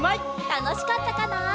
たのしかったかな？